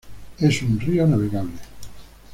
Es un río navegable.